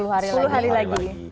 sepuluh hari lagi